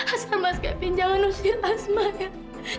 asal mas kevin jangan usir asma ya